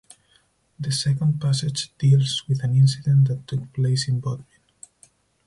The second passage deals with an incident that took place in Bodmin.